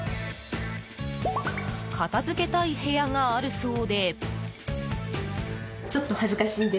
片付けたい部屋があるそうで。